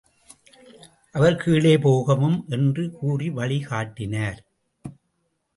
அவர் கீழே போகவும் என்று கூறி வழி காட்டினார்.